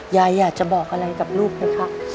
ยายอยากจะบอกอะไรกับเด็กนะคะ